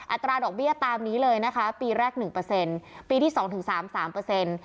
อัตราดอกเบี้ยตามนี้เลยปีแรก๑ปีที่๒๓เป็น๓